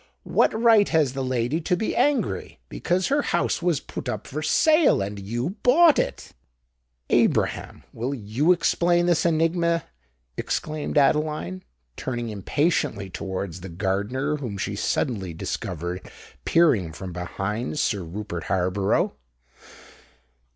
"What right has the lady to be angry? Because her house was put up for sale, and you bought it——" "Abraham, will you explain this enigma?" exclaimed Adeline, turning impatiently towards the gardener, whom she suddenly discovered peering from behind Sir Rupert Harborough.